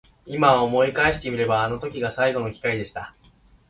今思い返してみればあの時が最後の機会でした。